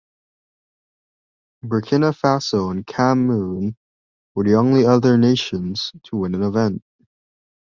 Burkina Faso and Cameroon were the only other nations to win an event.